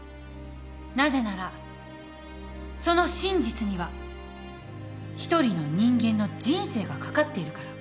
なぜならその真実には一人の人間の人生がかかっているから。